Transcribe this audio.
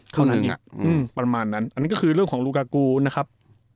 เท่านั้นประมาณนั้นอันนี้ก็คือเรื่องของลูกากูนะครับ